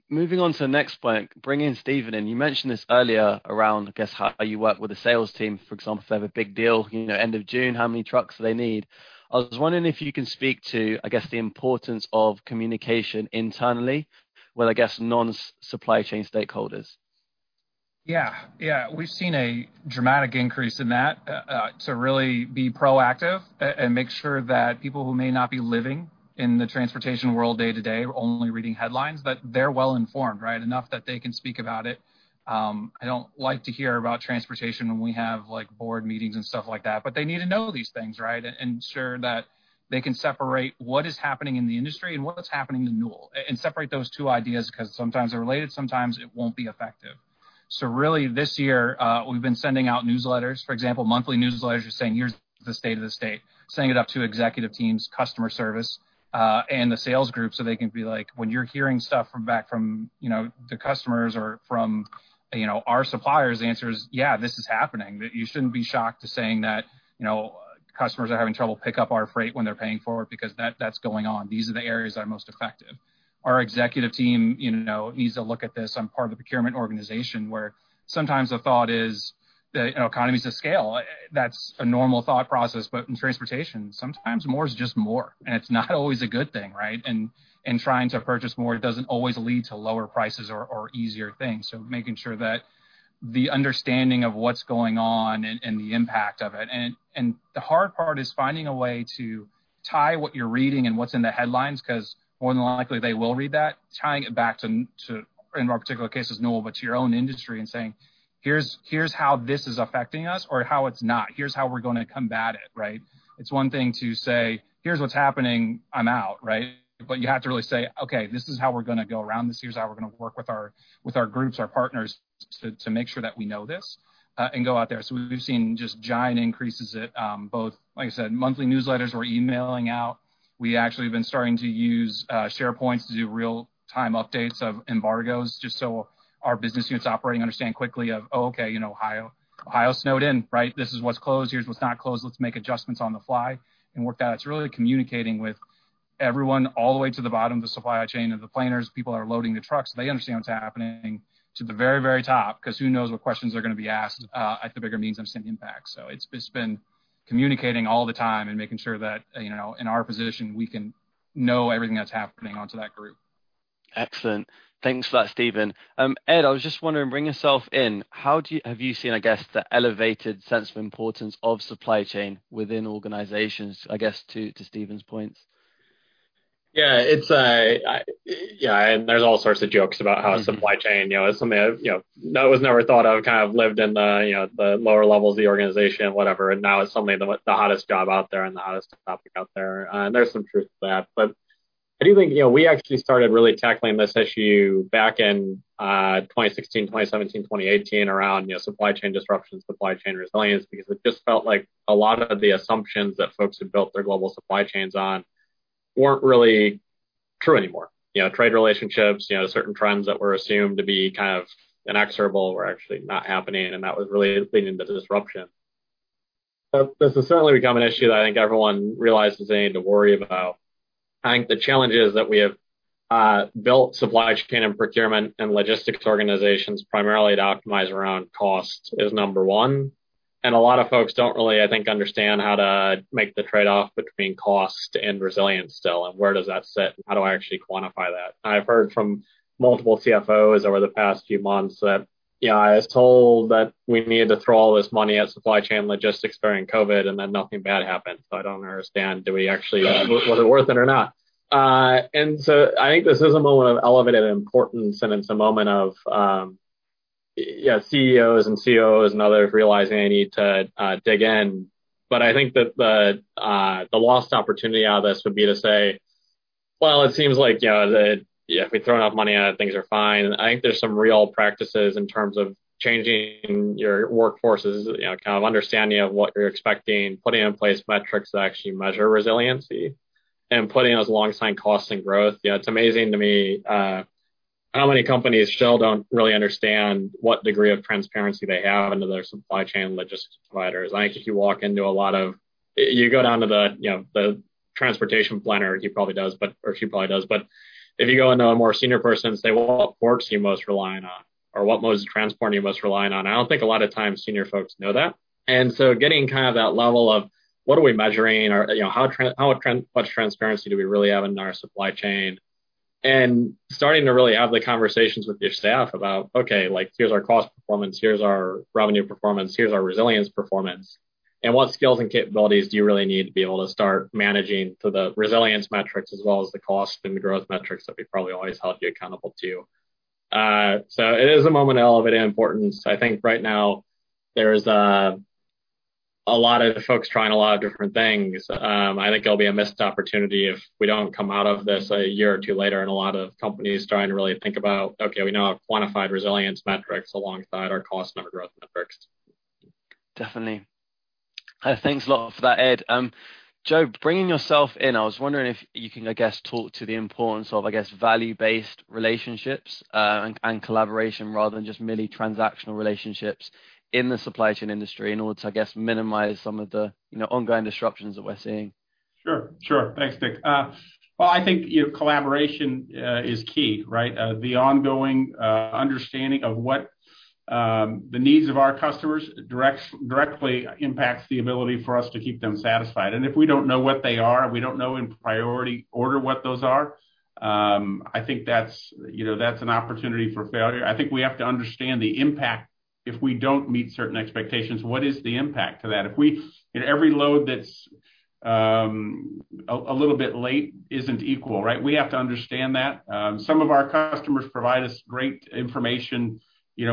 Moving on to the next point, bringing in Steven. You mentioned this earlier around, I guess, how you work with the sales team, for example, if they have a big deal end of June, how many trucks do they need? I was wondering if you can speak to, I guess, the importance of communication internally with, I guess, non-supply chain stakeholders. Yeah. Yeah. We've seen a dramatic increase in that to really be proactive and make sure that people who may not be living in the transportation world day-to-day are only reading headlines, but they're well informed, right, enough that they can speak about it. I don't like to hear about transportation when we have board meetings and stuff like that, but they need to know these things, right, and ensure that they can separate what is happening in the industry and what's happening in the news and separate those 2 ideas because sometimes they're related, sometimes it won't be effective. So really this year, we've been sending out newsletters, for example, monthly newsletters just saying, here's the state of the state, sending it up to executive teams, customer service, and the sales group so they can be like, when you're hearing stuff back from the customers or from our suppliers, the answer is, yeah, this is happening. You shouldn't be shocked to saying that customers are having trouble picking up our freight when they're paying for it because that's going on. These are the areas that are most effective. Our executive team needs to look at this. I'm part of the procurement organization where sometimes the thought is that economies of scale, that's a normal thought process, but in transportation, sometimes more is just more. And it's not always a good thing, right? And trying to purchase more doesn't always lead to lower prices or easier things. So, making sure that the understanding of what's going on and the impact of it. And the hard part is finding a way to tie what you're reading and what's in the headlines because more than likely they will read that, tying it back to, in our particular case, it's new, but to your own industry and saying, here's how this is affecting us or how it's not. Here's how we're going to combat it, right? It's one thing to say, here's what's happening, I'm out, right? But you have to really say, okay, this is how we're going to go around this. Here's how we're going to work with our groups, our partners to make sure that we know this and go out there. So we've seen just giant increases at both, like I said, monthly newsletters we're emailing out. We actually have been starting to use SharePoint to do real-time updates of embargoes just so our business units operating understand quickly of, oh, okay, Ohio, Ohio snowed in, right? This is what's closed. Here's what's not closed. Let's make adjustments on the fly and work that. It's really communicating with everyone all the way to the bottom of the supply chain and the planners, people that are loading the trucks. They understand what's happening to the very, very top because who knows what questions are going to be asked at the bigger means of sending back. So it's been communicating all the time and making sure that in our position, we can know everything that's happening onto that group. Excellent. Thanks for that, Steven. Ed, I was just wondering, bring yourself in. How have you seen, I guess, the elevated sense of importance of supply chain within organizations, I guess, to Steven's points? Yeah. Yeah, there's all sorts of jokes about how supply chain is something that was never thought of, kind of lived in the lower levels of the organization, whatever, and now it's something, the hottest job out there and the hottest topic out there, and there's some truth to that, but I do think we actually started really tackling this issue back in 2016, 2017, 2018 around supply chain disruption, supply chain resilience because it just felt like a lot of the assumptions that folks had built their global supply chains on weren't really true anymore. Trade relationships, certain trends that were assumed to be kind of inexorable were actually not happening, and that was really leading to disruption. This has certainly become an issue that I think everyone realizes they need to worry about. I think the challenges that we have built supply chain and procurement and logistics organizations primarily to optimize around cost is number one. And a lot of folks don't really, I think, understand how to make the trade-off between cost and resilience still and where does that sit and how do I actually quantify that. I've heard from multiple CFOs over the past few months that I was told that we needed to throw all this money at supply chain logistics during COVID and then nothing bad happened. So I don't understand, was it worth it or not? And so I think this is a moment of elevated importance and it's a moment of CEOs and COOs and others realizing they need to dig in. But I think that the lost opportunity out of this would be to say, well, it seems like if we throw enough money at it, things are fine. I think there's some real practices in terms of changing your workforces, kind of understanding of what you're expecting, putting in place metrics that actually measure resiliency and putting those alongside costs and growth. It's amazing to me how many companies still don't really understand what degree of transparency they have into their supply chain logistics providers. I think if you walk into a lot of you go down to the transportation planner, he probably does, or she probably does, but if you go into a more senior person and say, well, what ports are you most relying on or what modes of transport are you most relying on? I don't think a lot of times senior folks know that. And so getting kind of that level of what are we measuring or how much transparency do we really have in our supply chain and starting to really have the conversations with your staff about, okay, here's our cost performance, here's our revenue performance, here's our resilience performance. And what skills and capabilities do you really need to be able to start managing to the resilience metrics as well as the cost and growth metrics that we probably always held you accountable to? So it is a moment of elevated importance. I think right now there's a lot of folks trying a lot of different things. I think it'll be a missed opportunity if we don't come out of this a year or two later and a lot of companies starting to really think about, okay, we now have quantified resilience metrics alongside our cost and our growth metrics. Definitely. Thanks a lot for that, Ed. Joe, bringing yourself in, I was wondering if you can, I guess, talk to the importance of, I guess, value-based relationships and collaboration rather than just merely transactional relationships in the supply chain industry in order to, I guess, minimize some of the ongoing disruptions that we're seeing. Sure. Sure. Thanks, Nick. Well, I think collaboration is key, right? The ongoing understanding of what the needs of our customers directly impacts the ability for us to keep them satisfied. And if we don't know what they are and we don't know in priority order what those are, I think that's an opportunity for failure. I think we have to understand the impact if we don't meet certain expectations. What is the impact to that? Every load that's a little bit late isn't equal, right? We have to understand that. Some of our customers provide us great information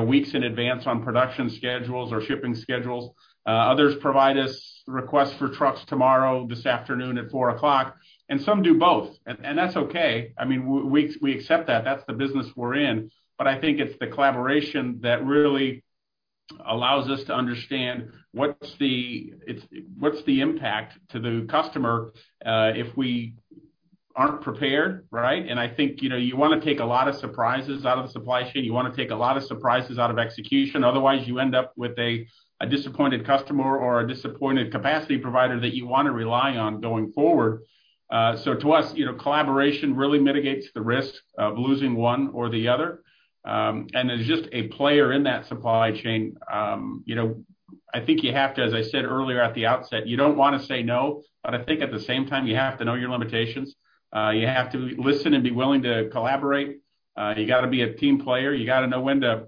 weeks in advance on production schedules or shipping schedules. Others provide us requests for trucks tomorrow, this afternoon at 4:00 P.M. And some do both. And that's okay. I mean, we accept that. That's the business we're in. But I think it's the collaboration that really allows us to understand what's the impact to the customer if we aren't prepared, right? And I think you want to take a lot of surprises out of the supply chain. You want to take a lot of surprises out of execution. Otherwise, you end up with a disappointed customer or a disappointed capacity provider that you want to rely on going forward. So to us, collaboration really mitigates the risk of losing one or the other. And there's just a player in that supply chain. I think you have to, as I said earlier at the outset, you don't want to say no, but I think at the same time, you have to know your limitations. You have to listen and be willing to collaborate. You got to be a team player. You got to know when to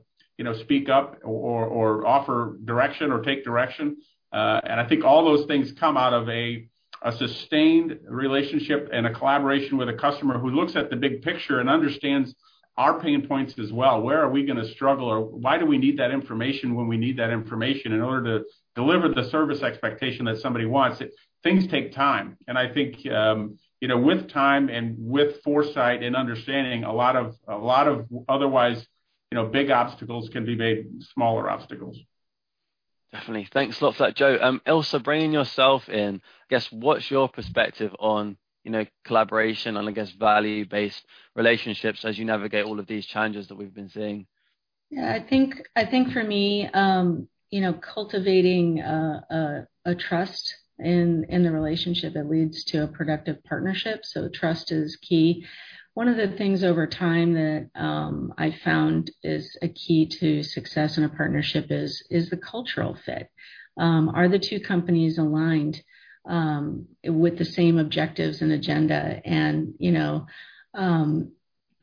speak up or offer direction or take direction. And I think all those things come out of a sustained relationship and a collaboration with a customer who looks at the big picture and understands our pain points as well. Where are we going to struggle or why do we need that information when we need that information in order to deliver the service expectation that somebody wants? Things take time. And I think with time and with foresight and understanding, a lot of otherwise big obstacles can be made smaller obstacles. Definitely. Thanks a lot for that, Joe. Ilse, bringing yourself in, I guess, what's your perspective on collaboration and, I guess, value-based relationships as you navigate all of these challenges that we've been seeing? Yeah. I think for me, cultivating a trust in the relationship that leads to a productive partnership, so trust is key. One of the things over time that I found is a key to success in a partnership is the cultural fit. Are the 2 companies aligned with the same objectives and agenda? And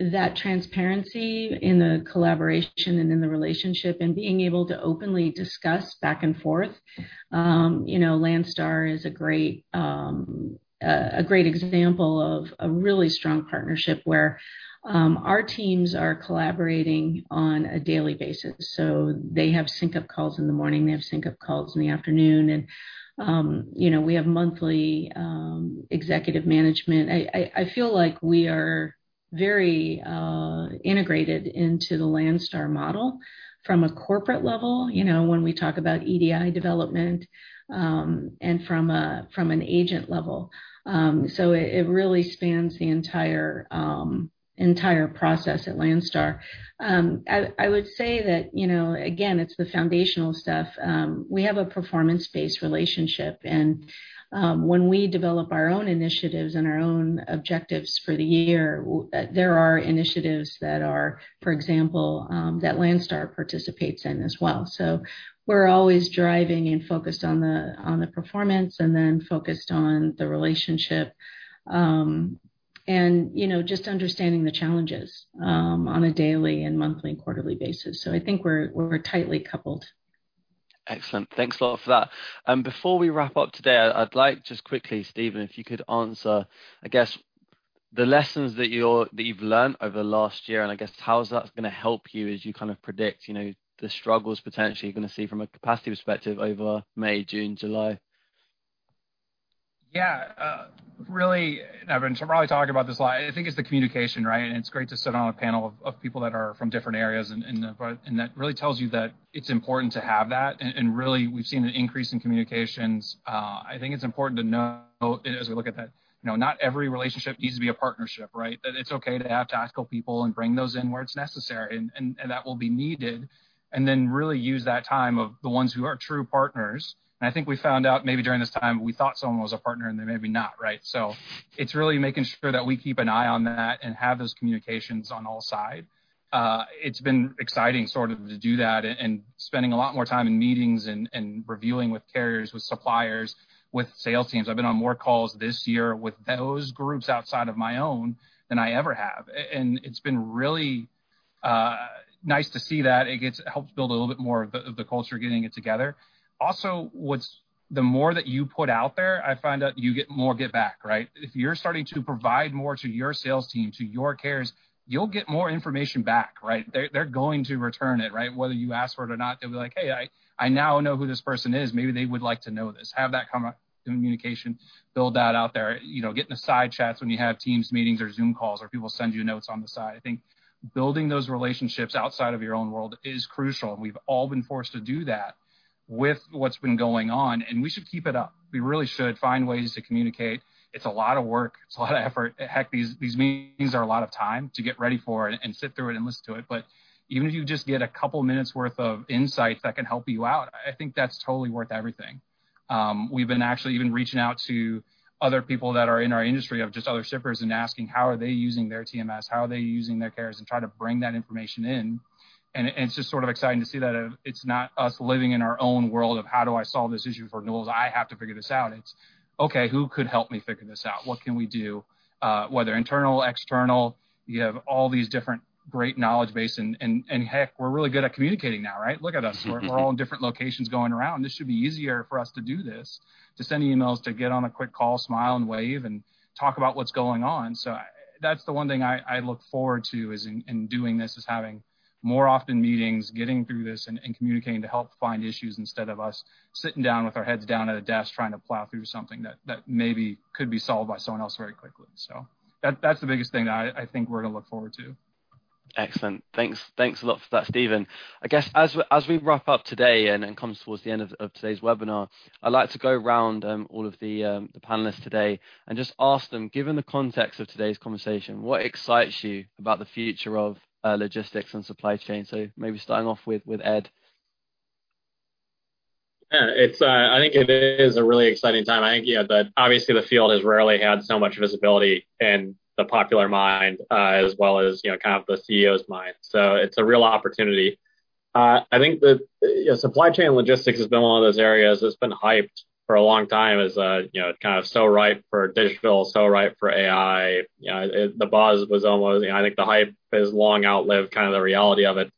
that transparency in the collaboration and in the relationship and being able to openly discuss back and forth. Landstar is a great example of a really strong partnership where our teams are collaborating on a daily basis, so they have sync-up calls in the morning. They have sync-up calls in the afternoon, and we have monthly executive management. I feel like we are very integrated into the Landstar model from a corporate level when we talk about EDI development and from an agent level, so it really spans the entire process at Landstar. I would say that, again, it's the foundational stuff. We have a performance-based relationship, and when we develop our own initiatives and our own objectives for the year, there are initiatives that are, for example, that Landstar participates in as well, so we're always driving and focused on the performance and then focused on the relationship and just understanding the challenges on a daily and monthly and quarterly basis, so I think we're tightly coupled. Excellent. Thanks a lot for that. And before we wrap up today, I'd like just quickly, Steven, if you could answer, I guess, the lessons that you've learned over the last year and I guess how's that going to help you as you kind of predict the struggles potentially you're going to see from a capacity perspective over May, June, July? Yeah. Really, everyone, so we're probably talking about this a lot. I think it's the communication, right? And it's great to sit on a panel of people that are from different areas. And that really tells you that it's important to have that. And really, we've seen an increase in communications. I think it's important to know as we look at that, not every relationship needs to be a partnership, right? That it's okay to have tactical people and bring those in where it's necessary and that will be needed. And then really use that time of the ones who are true partners. And I think we found out maybe during this time, we thought someone was a partner and they may be not, right? So it's really making sure that we keep an eye on that and have those communications on all sides. It's been exciting sort of to do that and spending a lot more time in meetings and reviewing with carriers, with suppliers, with sales teams. I've been on more calls this year with those groups outside of my own than I ever have, and it's been really nice to see that. It helps build a little bit more of the culture getting it together. Also, the more that you put out there, I find that you get more back, right? If you're starting to provide more to your sales team, to your carriers, you'll get more information back, right? They're going to return it, right? Whether you ask for it or not, they'll be like, "Hey, I now know who this person is. Maybe they would like to know this." Have that communication build out there. Getting the side chats when you have Teams meetings or Zoom calls or people send you notes on the side. I think building those relationships outside of your own world is crucial, and we've all been forced to do that with what's been going on. We should keep it up. We really should find ways to communicate. It's a lot of work. It's a lot of effort. Heck, these meetings are a lot of time to get ready for and sit through it and listen to it, but even if you just get a couple of minutes' worth of insights that can help you out, I think that's totally worth everything. We've been actually even reaching out to other people that are in our industry of just other shippers and asking how are they using their TMS, how are they using their carriers and trying to bring that information in. And it's just sort of exciting to see that it's not us living in our own world of how do I solve this issue for Newell? I have to figure this out. It's, "Okay, who could help me figure this out? What can we do?" Whether internal, external, you have all these different great knowledge bases. And heck, we're really good at communicating now, right? Look at us. We're all in different locations going around. This should be easier for us to do this, to send emails, to get on a quick call, smile, and wave, and talk about what's going on. So that's the one thing I look forward to in doing this is having more often meetings, getting through this, and communicating to help find issues instead of us sitting down with our heads down at a desk trying to plow through something that maybe could be solved by someone else very quickly. So that's the biggest thing that I think we're going to look forward to. Excellent. Thanks a lot for that, Steven. I guess as we wrap up today and come towards the end of today's webinar, I'd like to go around all of the panelists today and just ask them, given the context of today's conversation, what excites you about the future of logistics and supply chain? So maybe starting off with Ed. Yeah. I think it is a really exciting time. I think that obviously the field has rarely had so much visibility in the popular mind as well as kind of the CEO's mind. So it's a real opportunity. I think that supply chain logistics has been one of those areas that's been hyped for a long time as kind of so ripe for digital, so ripe for AI. The buzz was almost, I think the hype has long outlived kind of the reality of it.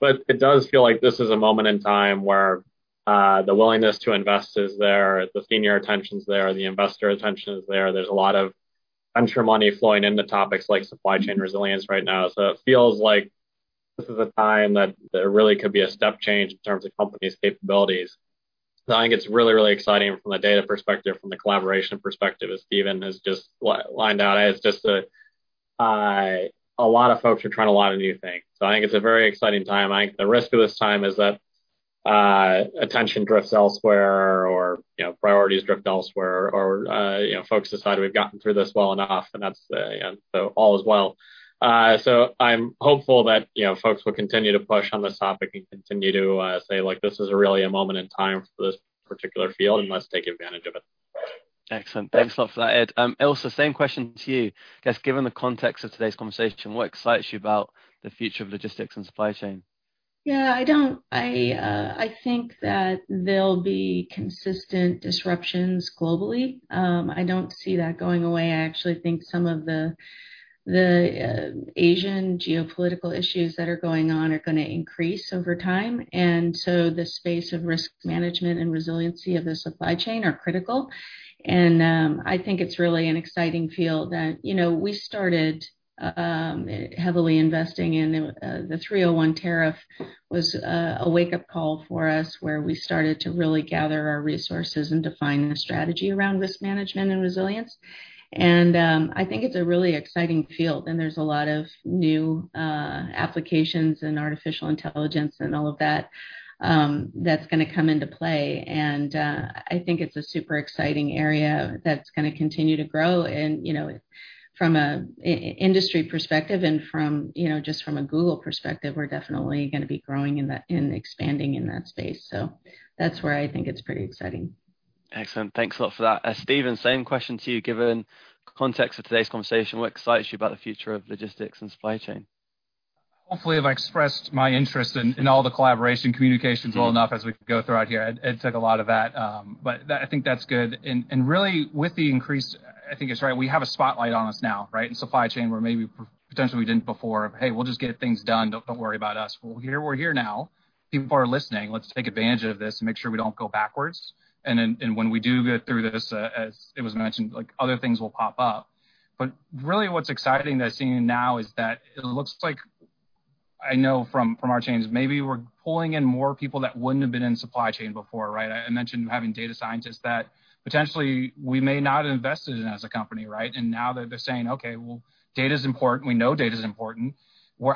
But it does feel like this is a moment in time where the willingness to invest is there. The senior attention's there. The investor attention is there. There's a lot of venture money flowing into topics like supply chain resilience right now. So it feels like this is a time that there really could be a step change in terms of companies' capabilities. I think it's really, really exciting from the data perspective, from the collaboration perspective, as Steven has just laid out. It's just a lot of folks are trying a lot of new things. I think it's a very exciting time. I think the risk of this time is that attention drifts elsewhere or priorities drift elsewhere or folks decide we've gotten through this well enough and that's all is well. I'm hopeful that folks will continue to push on this topic and continue to say, "Look, this is really a moment in time for this particular field and let's take advantage of it. Excellent. Thanks a lot for that, Ed. Ilse, same question to you. I guess given the context of today's conversation, what excites you about the future of logistics and supply chain? Yeah. I think that there'll be consistent disruptions globally. I don't see that going away. I actually think some of the Asian geopolitical issues that are going on are going to increase over time, and so the space of risk management and resiliency of the supply chain are critical, and I think it's really an exciting field that we started heavily investing in. The 301 tariff was a wake-up call for us where we started to really gather our resources and define the strategy around risk management and resilience, and I think it's a really exciting field, and there's a lot of new applications and artificial intelligence and all of that that's going to come into play, and I think it's a super exciting area that's going to continue to grow. And from an industry perspective and just from a Google perspective, we're definitely going to be growing and expanding in that space. So that's where I think it's pretty exciting. Excellent. Thanks a lot for that. Steven, same question to you. Given the context of today's conversation, what excites you about the future of logistics and supply chain? Hopefully, I've expressed my interest in all the collaboration, communications well enough as we go throughout here. It took a lot of that, but I think that's good, and really, with the increase, I think it's right. We have a spotlight on us now, right, in supply chain where maybe potentially we didn't before. Hey, we'll just get things done. Don't worry about us. We're here now. People are listening. Let's take advantage of this and make sure we don't go backwards, and when we do get through this, as it was mentioned, other things will pop up, but really, what's exciting that I'm seeing now is that it looks like I know from our chains, maybe we're pulling in more people that wouldn't have been in supply chain before, right? I mentioned having data scientists that potentially we may not have invested in as a company, right? Now they're saying, "Okay, well, data is important. We know data is important.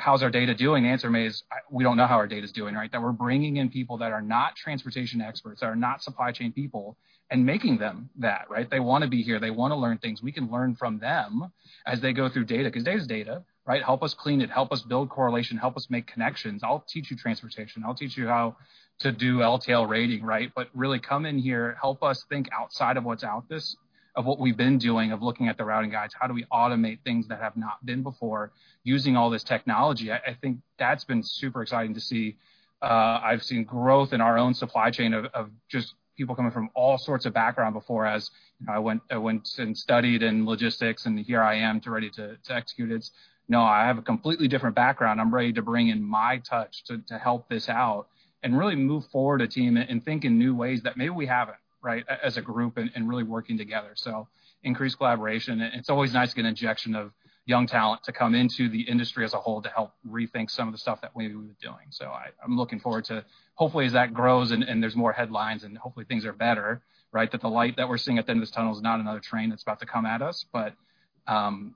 How's our data doing?" The answer maybe is, "We don't know how our data is doing," right? That we're bringing in people that are not transportation experts, that are not supply chain people, and making them that, right? They want to be here. They want to learn things. We can learn from them as they go through data. Because data is data, right? Help us clean it. Help us build correlation. Help us make connections. I'll teach you transportation. I'll teach you how to do LTL rating, right? But really, come in here. Help us think outside of what's outside this, of what we've been doing, of looking at the routing guides. How do we automate things that have not been before using all this technology? I think that's been super exciting to see. I've seen growth in our own supply chain of just people coming from all sorts of backgrounds before as I went and studied in logistics and here I am ready to execute it. No, I have a completely different background. I'm ready to bring in my touch to help this out and really move forward a team and think in new ways that maybe we haven't, right, as a group and really working together. So increased collaboration. It's always nice to get an injection of young talent to come into the industry as a whole to help rethink some of the stuff that maybe we were doing. So I'm looking forward to hopefully as that grows and there's more headlines and hopefully things are better, right, that the light that we're seeing at the end of this tunnel is not another train that's about to come at us. but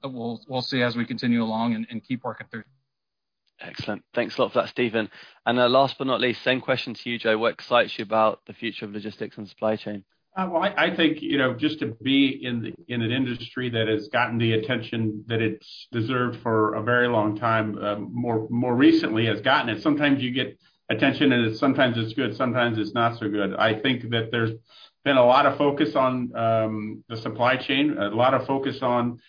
we'll see as we continue along and keep working through. Excellent. Thanks a lot for that, Steven. And last but not least, same question to you, Joe. What excites you about the future of logistics and supply chain? I think just to be in an industry that has gotten the attention that it's deserved for a very long time, more recently has gotten it. Sometimes you get attention and sometimes it's good. Sometimes it's not so good. I think that there's been a lot of focus on the supply chain, a lot of focus on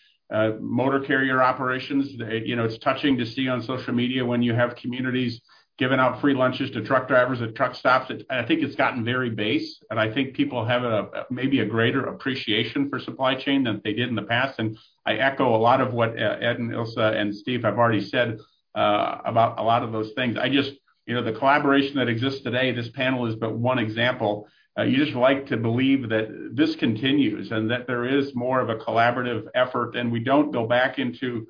motor carrier operations. It's touching to see on social media when you have communities giving out free lunches to truck drivers at truck stops. I think it's gotten very base. I think people have maybe a greater appreciation for supply chain than they did in the past. I echo a lot of what Ed and Ilse and Steve have already said about a lot of those things. The collaboration that exists today, this panel is but one example. You just like to believe that this continues and that there is more of a collaborative effort. And we don't go back into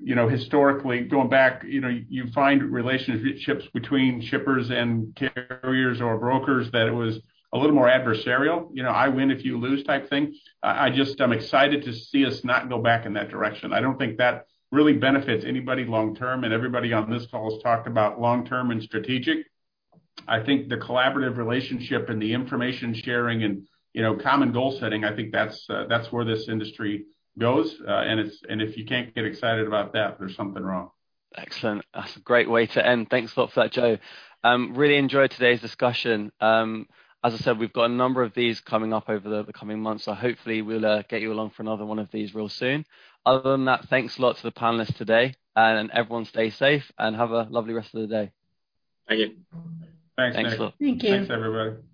historically going back, you find relationships between shippers and carriers or brokers that it was a little more adversarial. I win if you lose type thing. I'm excited to see us not go back in that direction. I don't think that really benefits anybody long term. And everybody on this call has talked about long term and strategic. I think the collaborative relationship and the information sharing and common goal setting, I think that's where this industry goes. And if you can't get excited about that, there's something wrong. Excellent. That's a great way to end. Thanks a lot for that, Joe. Really enjoyed today's discussion. As I said, we've got a number of these coming up over the coming months. So hopefully, we'll get you along for another one of these real soon. Other than that, thanks a lot to the panelists today, and everyone stay safe and have a lovely rest of the day. Thank you. Thanks a lot. Thank you. Thanks, everyone.